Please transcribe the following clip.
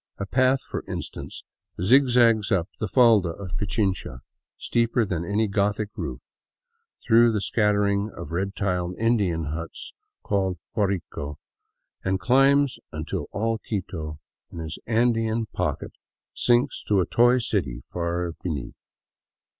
A path, for instance, zigzags up the falda of Pichincha, steeper than any Gothic roof, through the scattering of red tiled Indian huts called Guarico, and climbs until all Quito in its Andean pocket sinks to a toy city far beneath.